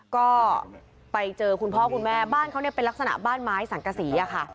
ก็ไปเจอคุณพ่อคุณแม่บ้านเขาเนี่ยเป็นลักษณะบ้านไม้สังกษีอะค่ะ